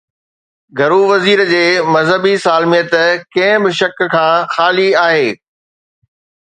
گهرو وزير جي مذهبي سالميت ڪنهن به شڪ کان خالي آهي.